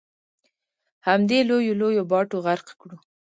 همدې لویو لویو باټو غرق کړو.